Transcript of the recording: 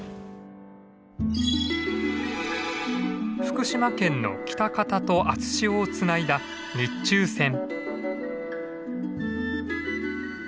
福島県の喜多方と熱塩をつないだ日中線。